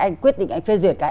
anh quyết định anh phê duyệt cái